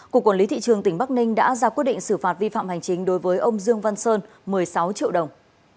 cục quản lý thị trường tỉnh bắc ninh đã ra quyết định xử phạt vi phạm hành chính đối với ông dương văn sơn một mươi sáu triệu đồng